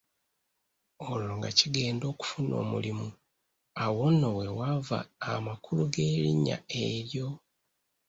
Olwo nga kigenda okufuna omulimu awo nno we wava amakulu g’erinnya eryo.